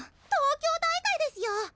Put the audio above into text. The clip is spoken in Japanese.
東京大会ですよ